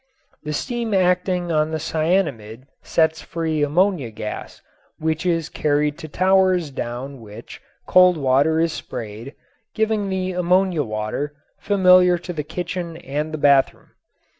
The steam acting on the cyanamid sets free ammonia gas which is carried to towers down which cold water is sprayed, giving the ammonia water, familiar to the kitchen and the bathroom.